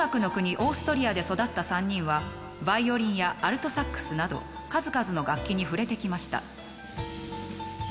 オーストリアで育った３人はバイオリンやアルトサックスなど数々の楽器に触れてきました。